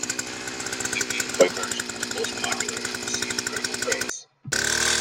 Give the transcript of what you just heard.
The Game Boy version was the most popular and received critical praise.